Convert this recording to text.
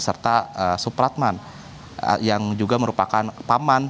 serta supratman yang juga merupakan paman